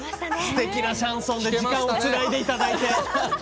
すてきなシャンソンで時間をつないでいただいて。